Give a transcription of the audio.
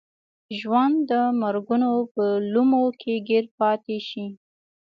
ژوند د مرګونو په لومو کې ګیر پاتې شي.